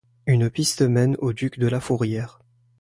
Une piste mène au duc de la Fourrière.